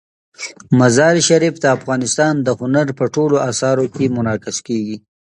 مزارشریف د افغانستان د هنر په ټولو اثارو کې منعکس کېږي.